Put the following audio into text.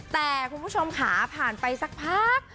แต่คุณผู้ชมค่ะผ่านไปสักพัก